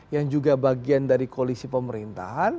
yang juga bagian dari koalisi pemerintahan